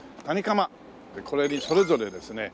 これにそれぞれですね